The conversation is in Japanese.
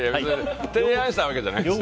提案したわけじゃないんですよ。